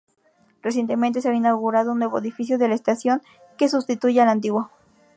Recientemente se ha inaugurado un nuevo edificio de la estación que sustituye al antiguo.